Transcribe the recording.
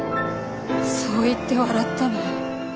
そう言って笑ったのよ